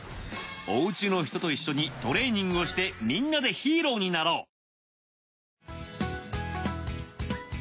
おうちの人と一緒にトレーニングをしてみんなでヒーローになろう